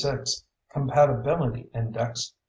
66. Compatibility index 2.